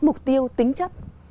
mục tiêu tính chất